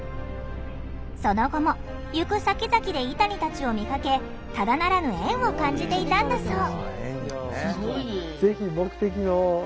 その後も行くさきざきでイタニたちを見かけただならぬ縁を感じていたんだそう。